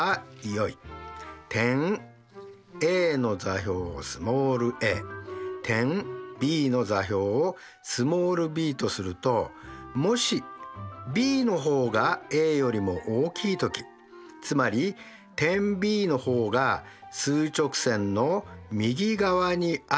点Ａの座標をスモールａ点Ｂの座標をスモールｂとするともしｂの方がａよりも大きい時つまり点Ｂの方が数直線の右側にある場合です。